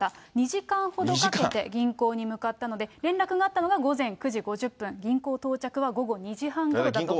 ２時間ほどかけて銀行に向かったので、連絡があったのが午前９時５０分、銀行到着は午後２時半ごろだったと。